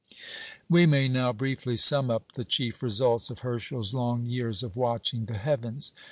We may now briefly sum up the chief results of Herschel's long years of "watching the heavens."